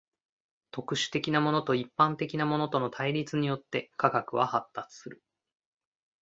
特殊的なものと一般的なものとの対立によって科学は発達する。